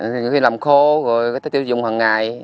có khi làm khô rồi người ta tiêu dùng hằng ngày